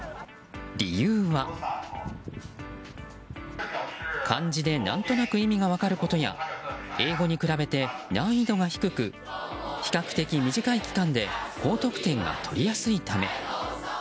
理由は、漢字で何となく意味が分かることや英語に比べて難易度が低く比較的短い期間で高得点が取りやすいため。